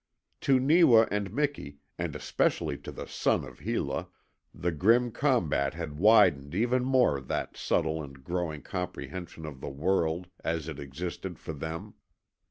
To Neewa and Miki and especially to the son of Hela the grim combat had widened even more that subtle and growing comprehension of the world as it existed for them.